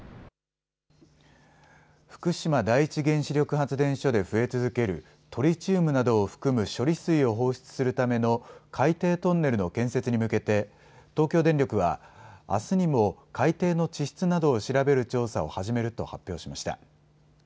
福島第一原子力発電所で増え続ける、トリチウムなどを含む処理水を放出するための海底トンネルの建設に向けて、東京電力はあすにも海底の地質などを調べる調査を始めると発表しました。